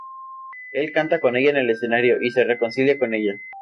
Él canta con ella en el escenario y se reconcilia con ella.